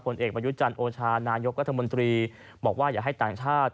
ผลเอกมายุจันโอชานายกรัฐมนตรีบอกว่าอย่าให้ต่างชาติ